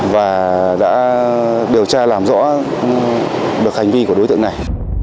và đã điều tra làm rõ được hành vi của đối tượng này